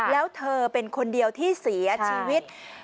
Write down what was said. แล้วเธอเป็นคนเดียวที่เสียชีวิต